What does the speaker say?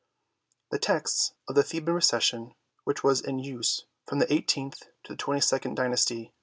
The texts of the Theban Recension, which was in use from the eighteenth to the twenty second dynasty, i.